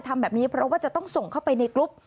ทำแบบนี้เพราะว่าจะต้องส่งเข้าไปในกรุ๊ป